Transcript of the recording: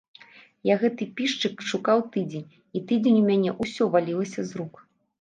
Я гэты пішчык шукаў тыдзень, і тыдзень у мяне ўсё валілася з рук.